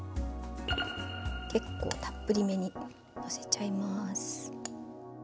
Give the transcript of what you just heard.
結構たっぷりめにのせちゃいます。